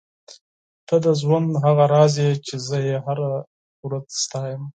ته د ژوند هغه راز یې چې زه یې هره ورځ ستایم.